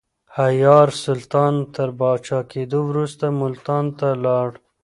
حيار سلطان تر پاچا کېدو وروسته ملتان ته ولاړ.